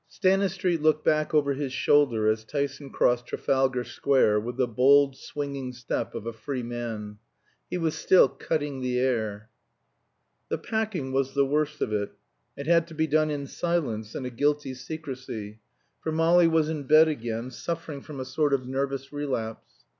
Stanistreet looked back over his shoulder as Tyson crossed Trafalgar Square with the bold swinging step of a free man. He was still cutting the air. The packing was the worst of it. It had to be done in silence and a guilty secrecy, for Molly was in bed again, suffering from a sort of nervous relapse.